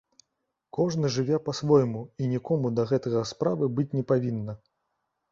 Кожны жыве па-свойму, і нікому да гэтага справы быць не павінна.